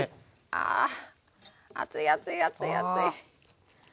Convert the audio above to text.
あ熱い熱い熱い熱い。